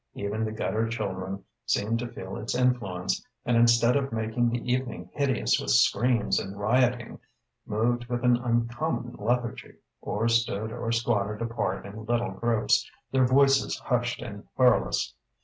Even the gutter children seemed to feel its influence, and instead of making the evening hideous with screams and rioting, moved with an uncommon lethargy, or stood or squatted apart in little groups, their voices hushed and querulous.